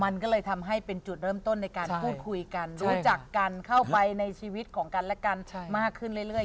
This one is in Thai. มันก็เลยทำให้เป็นจุดเริ่มต้นในการพูดคุยกันรู้จักกันเข้าไปในชีวิตของกันและกันมากขึ้นเรื่อย